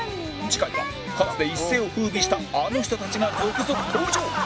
次回はかつて一世を風靡したあの人たちが続々登場！